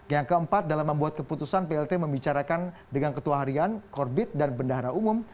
yang keempat dalam membuat keputusan plt membicarakan dengan ketua harian korbit dan bendahara umum